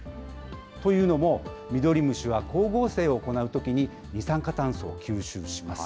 というのも、ミドリムシは光合成を行うときに二酸化炭素を吸収します。